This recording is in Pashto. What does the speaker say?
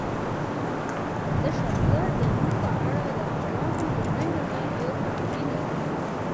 د شلګر د نوم په اړه د عوامو لومړی نظر یوه توجیه لري